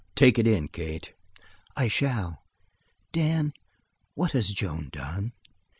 Take it in, Kate." "I shall. Dan, what has Joan done?"